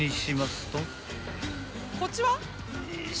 ・こっちは？